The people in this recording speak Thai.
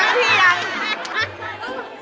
พี่ยัง